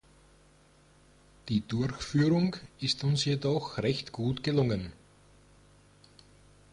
Die Durchführung ist uns jedoch recht gut gelungen.